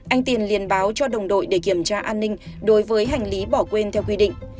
anh tiền liên báo cho đồng đội để kiểm tra an ninh đối với hành lý bỏ quên theo quy định